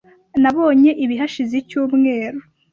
Nabonye ibi hashize icyumweru .